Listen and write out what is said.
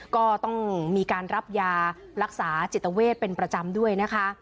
ก็ต้องมีการรับยารักษาจิตเวทเป็นประจำด้วยนะคะ